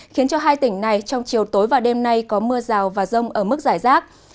khiến cho hai tỉnh này trong chiều tối và đêm nay có mưa rào và rông ở mức giải rác